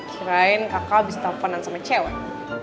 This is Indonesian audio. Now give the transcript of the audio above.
kirain kakak bisa penan sama cewek